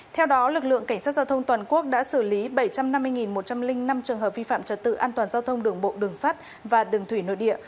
theo đó lực lượng cảnh sát giao thông toàn quốc đã xử lý bảy trăm năm mươi một trăm linh năm trường hợp vi phạm trật tự an toàn giao thông đường bộ đường sắt và đường thủy nội địa